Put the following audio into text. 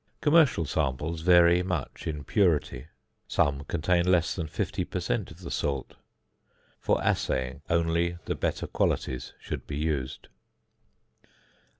Commercial samples vary much in purity; some contain less than 50 per cent. of the salt. For assaying, only the better qualities should be used.